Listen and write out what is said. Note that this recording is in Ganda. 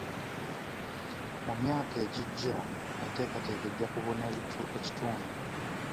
Mu myaka egijja enteekateeka ejja kubuna ekitundu.